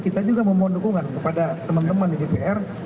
kita juga memohon dukungan kepada teman teman di dpr